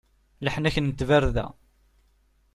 Leḥnak n tbarda.